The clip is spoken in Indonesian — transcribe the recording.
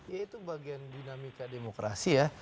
ya itu bagian dinamika demokrasi ya